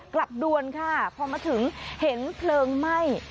ดวนค่ะพอมาถึงเห็นเพลิงไหม้